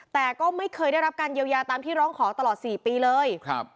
แต่ก็ไม่เคยได้รับการเยียวยาตามที่ร้องขอตลอด๔ปีเลย